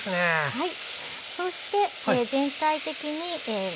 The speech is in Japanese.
はい。